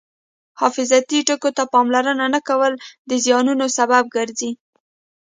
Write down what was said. حفاظتي ټکو ته پاملرنه نه کول د زیانونو سبب ګرځي.